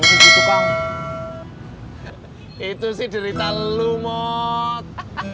itu sih derita lumot